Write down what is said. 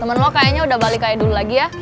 temen lo kayaknya udah balik kayak dulu lagi ya